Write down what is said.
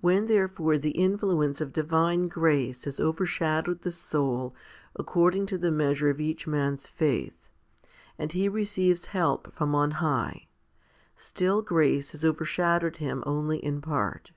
2. When therefore the influence of divine grace has over shadowed the soul according to the measure of each man's faith, and he receives help from on high, still grace has overshadowed him only in part.